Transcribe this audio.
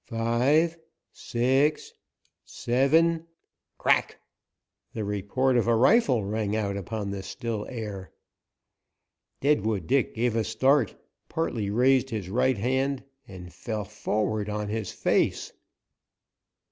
"Five, six, seven " Crack! The report of a rifle rang out upon the still air. Deadwood Dick gave a start, partly raised his right hand, and fell forward on his face.